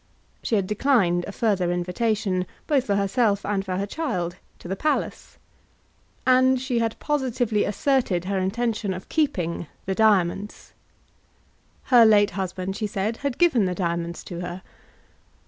She had declined a further invitation, both for herself and for her child, to the palace. And she had positively asserted her intention of keeping the diamonds. Her late husband, she said, had given the diamonds to her.